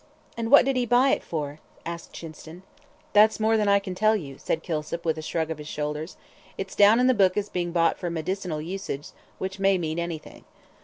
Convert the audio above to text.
"And what did he buy it for?" asked Chinston. "That's more than I can tell you," said Kilsip, with a shrug of his shoulders. "It's down in the book as being bought for medicinal uses, which may mean anything."